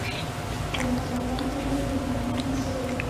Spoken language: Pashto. قومونه د افغان کورنیو د دودونو مهم عنصر دی.